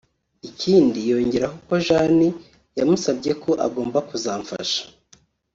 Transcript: ikindi yongeraho ko Jeanne yamusabye ko agomba kuzamfasha